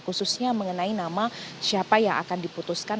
khususnya mengenai nama siapa yang akan diputuskan